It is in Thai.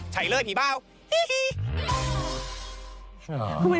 ใช้เลยผีเป้าฮีฮี